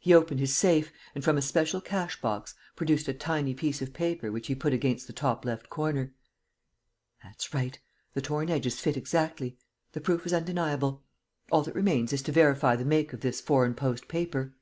He opened his safe and, from a special cash box, produced a tiny piece of paper which he put against the top left corner: "That's right. The torn edges fit exactly. The proof is undeniable. All that remains is to verify the make of this foreign post paper."